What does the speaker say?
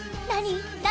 何？